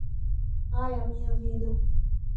Ai a minha vida...